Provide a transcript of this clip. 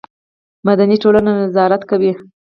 مدني ټولنه نظارت کوي